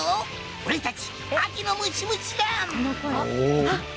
俺たち秋のムシムシ団！